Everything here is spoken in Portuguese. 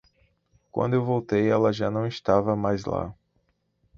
Quando eu voltei ela já não estava mais lá.